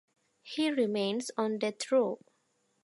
He remains on death row.